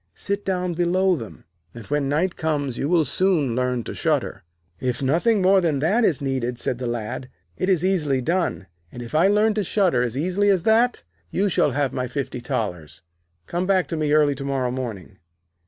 Sit down below them, and when night comes you will soon learn to shudder.' 'If nothing more than that is needed,' said the Lad, 'it is easily done. And if I learn to shudder as easily as that, you shall have my fifty thalers. Come back to me early to morrow morning.'